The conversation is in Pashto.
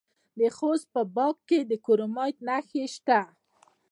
د خوست په باک کې د کرومایټ نښې شته.